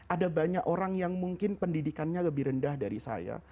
ada banyak orang yang mungkin pendidikannya lebih rendah dari saya